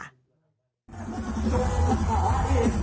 ไม่น่าว่าคุณผู้ชมแก๊งล่องแก๊ง